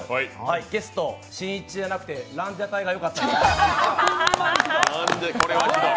ゲスト、しんいちじゃなくてランジャタイがよかった。